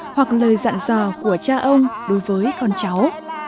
hoặc lời dặn dò của cha ông đối với con cháu